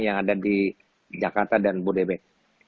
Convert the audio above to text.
yang ada di jakarta dan bodebek